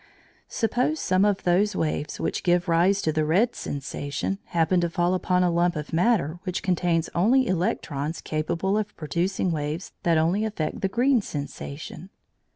Suppose some of those waves which give rise to the red sensation happen to fall upon a lump of matter which contains only electrons capable of producing waves that affect the green sensation.